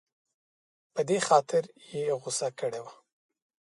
په دې خاطر یې غوسه کړې وه.